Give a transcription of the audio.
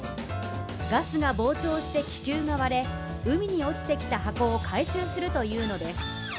ガスが膨脹して気球が割れ、海に落ちてきた箱を回収するというのです。